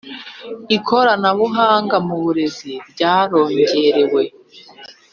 ikoranabuhanga mu burezi ryarongerewe